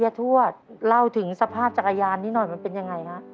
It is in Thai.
ทวดเล่าถึงสภาพจักรยานนี้หน่อยมันเป็นยังไงฮะ